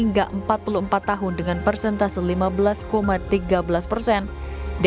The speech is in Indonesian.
yang berdasarkan persentase lima belas hingga empat puluh empat tahun dengan persentase lima belas tiga belas